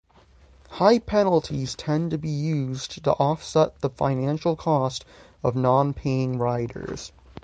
High penalties tend to be used to offset the financial cost of non-paying riders.